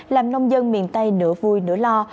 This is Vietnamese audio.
làm nông dân miền tây nửa vui nửa lo